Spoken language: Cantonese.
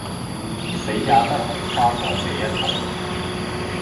死也不肯跨過這一步。